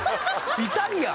イタリアン